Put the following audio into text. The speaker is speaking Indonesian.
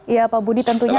ya pak budi tentunya